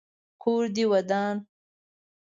کور دي ودان .